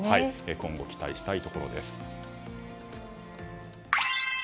今後期待したいところです。